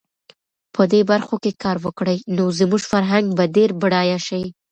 په دې برخو کې کار وکړي، نو زموږ فرهنګ به ډېر بډایه شي.